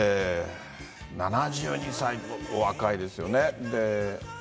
７２歳とお若いですよね。